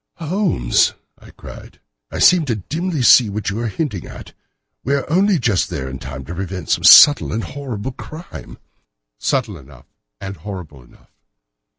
"Holmes," I cried, "I seem to see dimly what you are hinting at. We are only just in time to prevent some subtle and horrible crime." "Subtle enough and horrible enough.